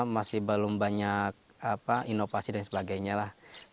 masih belum banyak inovasi dan sebagainya lah